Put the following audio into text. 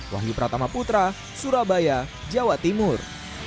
wahyu pratama putra surabaya jawa timur